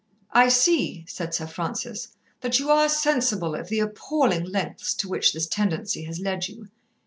"I see," said Sir Francis, "that you are sensible of the appalling lengths to which this tendency has led you.